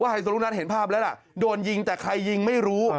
ไฮโซรุนัทเห็นภาพแล้วล่ะโดนยิงแต่ใครยิงไม่รู้